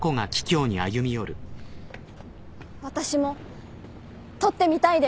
私も取ってみたいです